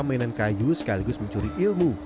mainan kayu sekaligus mencuri ilmu